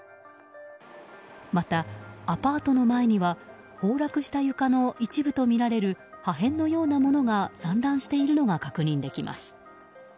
またアパートの前には崩落した床の一部とみられる破片のようなものが散乱しているのが確認できます。